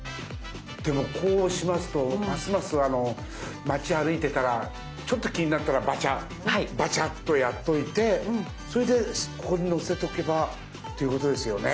でもこうしますとますます町歩いてたらちょっと気になったらバチャッバチャッとやっといてそれでここに載せとけばということですよね。